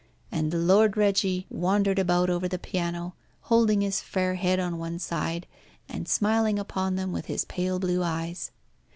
And Lord Reggie wandered about over the piano, holding his fair head on one side, and smiling upon them with his pale blue eyes.